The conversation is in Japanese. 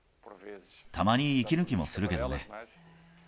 たまに息抜きもするけどね。